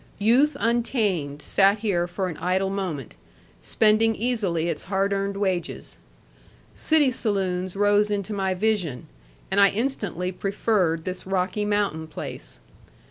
Youth untamed sat here for an idle moment, spending easily its hard earned wages. City saloons rose into my vision, and I instantly preferred this Rocky Mountain place.